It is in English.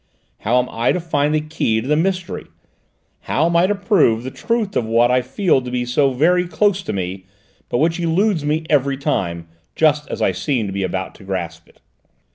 How am I to find the key to the mystery? How am I to prove the truth of what I feel to be so very close to me, but which eludes me every time, just as I seem to be about to grasp it?"